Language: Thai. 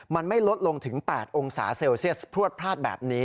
มันไม่ลดลงถึง๘องศาเซลเซียสพลวดพลาดแบบนี้